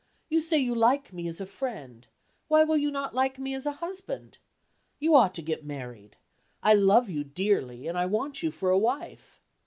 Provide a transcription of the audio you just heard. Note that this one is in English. You say you like me as a friend, why will you not like me as a husband? You ought to get married; I love you dearly, and I want you for a wife.